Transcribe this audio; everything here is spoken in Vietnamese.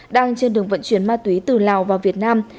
đang trên đường vận chuyển ma túy từ lào vào việt nam